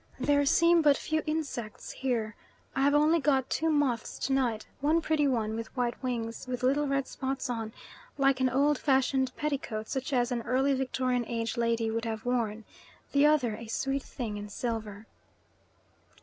There seem but few insects here. I have only got two moths to night one pretty one with white wings with little red spots on, like an old fashioned petticoat such as an early Victorian age lady would have worn the other a sweet thing in silver.